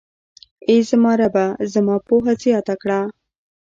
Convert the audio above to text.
اې زما ربه، زما پوهه زياته کړه.